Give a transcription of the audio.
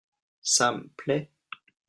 Ça me plait.